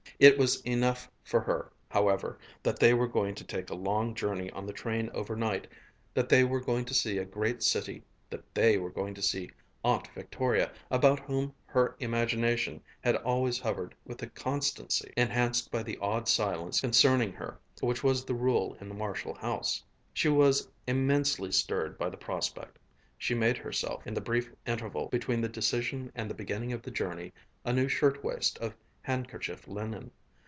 It was enough for her, however, that they were going to take a long journey on the train overnight, that they were going to see a great city, that they were going to see Aunt Victoria, about whom her imagination had always hovered with a constancy enhanced by the odd silence concerning her which was the rule in the Marshall house. She was immensely stirred by the prospect. She made herself, in the brief interval between the decision and the beginning of the journey, a new shirt waist of handkerchief linen.